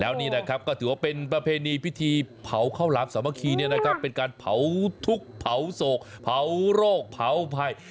แล้วนี่นะครับก็ถือว่าเป็นประเพณีพิธีเผาข้าวหลามสามัคคีเป็นการเผาทุกข์เผาโศกเผาโรคเผาภัย